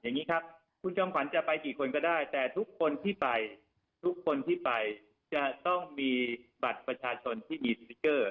อย่างนี้ครับคุณจอมขวัญจะไปกี่คนก็ได้แต่ทุกคนที่ไปทุกคนที่ไปจะต้องมีบัตรประชาชนที่มีสติ๊กเกอร์